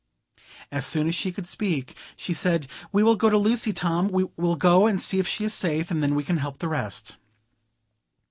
As soon as she could speak, she said, "We will go to Lucy, Tom; we'll go and see if she is safe, and then we can help the rest."